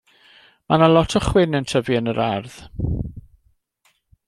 Mae 'na lot o chwyn y tyfu yn yr ardd.